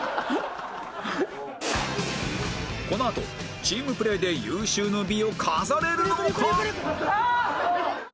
このあとチームプレイで有終の美を飾れるのか？